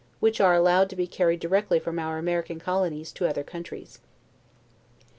which are allowed to be carried directly from our American colonies to other countries.